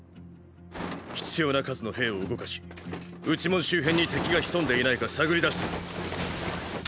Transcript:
⁉必要な数の兵を動かし内門周辺に敵が潜んでいないか探り出してくれ。